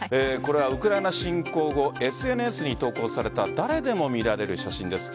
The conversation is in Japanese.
ウクライナ侵攻後ＳＮＳに投稿された誰でも見られる写真です。